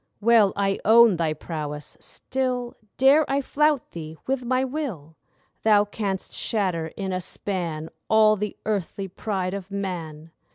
Well, I own thy prowess; still Dare I flout thee with my will Thou canst shatter in a span All the earthly pride of man.